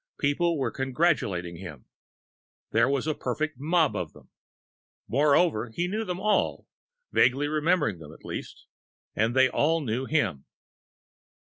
People were congratulating him. There was a perfect mob of them. Moreover, he knew them all vaguely remembered them, at least. And they all knew him.